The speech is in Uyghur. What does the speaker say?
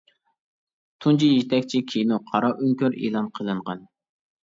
تۇنجى يېتەكچى كىنو «قارا ئۆڭكۈر» ئېلان قىلىنغان.